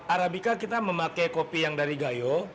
arabica kita memakai kopi yang dari gayo